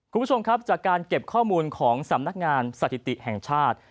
คุณผู้ชมครับจากการเก็บข้อมูลของสำนักงานสถิติแห่งชาติ